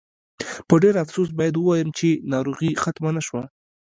په ډېر افسوس باید ووایم چې ناروغي ختمه نه شوه.